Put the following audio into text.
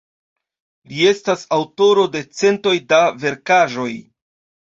Li estas aŭtoro de centoj da verkaĵoj.